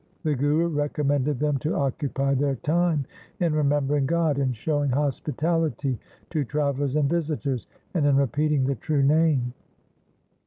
The Guru recommended them to occupy their time in remembering God, in showing hospitality to travellers and visitors, and in repeating the true Name.